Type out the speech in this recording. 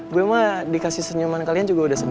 gue emang dikasih senyuman kalian juga udah seneng